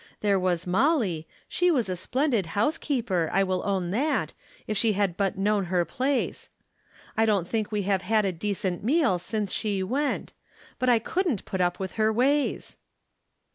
There was Molly; she was a splendid housekeeper, I will own that, if she had but known her place. I don't think we have had a decent meal since she went. But I couldn't put up with her ways."